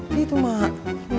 ini tuh mak